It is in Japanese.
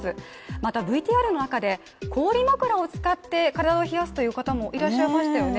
またｖｔｒの中の中で氷枕を使って体を冷やすという方もいらっしゃいましたよね